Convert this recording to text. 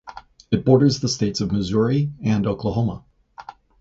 It borders the states of Missouri and Oklahoma.